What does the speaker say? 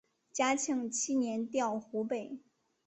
嘉庆七年调湖北。